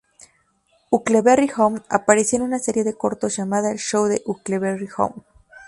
Huckleberry Hound aparecía en una serie de cortos llamada "El Show de Huckleberry Hound".